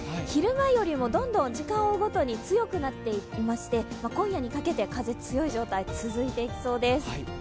昼前よりも時間を追うごとに強くなっていまして今夜にかけて風、強い状態が続いていきそうです。